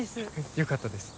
よかったです。